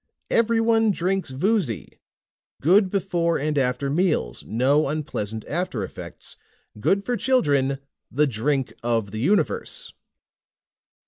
EVERYONE DRINKS VOOZY. GOOD BEFORE AND AFTER MEALS, NO UNPLEASANT AFTER EFFECTS. GOOD FOR CHILDREN! THE DRINK OF THE UNIVERSE!"